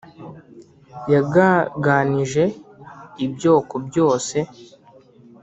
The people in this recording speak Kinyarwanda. yagaganije ibyoko byose